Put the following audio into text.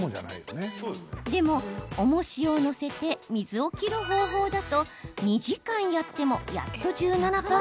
でも、おもしを載せて水を切る方法だと２時間やっても、やっと１７％。